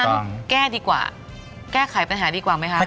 สดและจะรวย